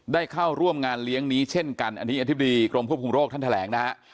ได้เข้าร่วมงานเลี้ยงนี้เช่นกันอันนี้อธิบดีกรมควบคุมโรคท่านแถลงนะฮะ